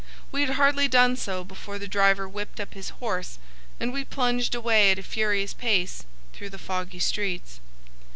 We had hardly done so before the driver whipped up his horse, and we plunged away at a furious pace through the foggy streets.